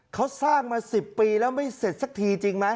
เขาสร้างมา๑๐ปีแล้วไม่เสร็จสักทีจริงไหม